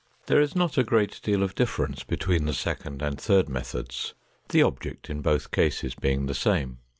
There is not a great deal of difference between the second and third methods, the object in both cases being the same.